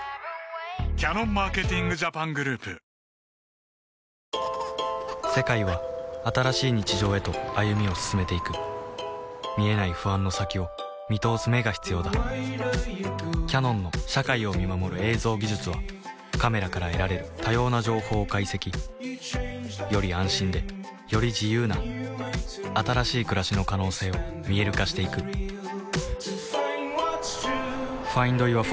さぁご一緒に世界は新しい日常へと歩みを進めていく見えない不安の先を見通す眼が必要だキヤノンの社会を見守る映像技術はカメラから得られる多様な情報を解析より安心でより自由な新しい暮らしの可能性を見える化していくひろげよう